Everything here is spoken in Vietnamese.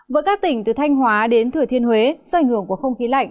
với các tỉnh từ thanh hóa đến thừa thiên huế do ảnh hưởng của không khí lạnh